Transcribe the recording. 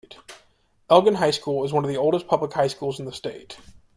Elgin High School is one of the oldest public high schools in the state.